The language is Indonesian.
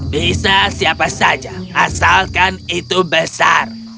bisa siapa saja asalkan itu besar